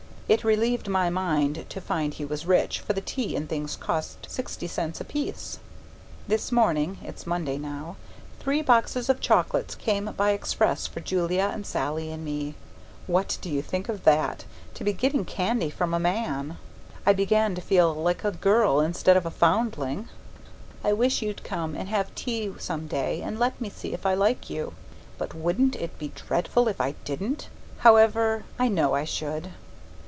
It relieved my mind to find he was rich, for the tea and things cost sixty cents apiece. This morning (it's Monday now) three boxes of chocolates came by express for Julia and Sallie and me. What do you think of that? To be getting candy from a man! I begin to feel like a girl instead of a foundling. I wish you'd come and have tea some day and let me see if I like you. But wouldn't it be dreadful if I didn't? However, I know I should.